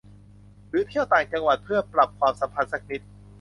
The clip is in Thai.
หรือเที่ยวต่างจังหวัดเพื่อปรับความสัมพันธ์สักนิด